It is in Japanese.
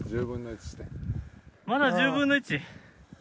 まだ１０分の１？